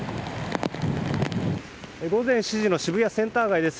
午前７時の渋谷センター街です。